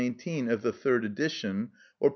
of the third edition, or p.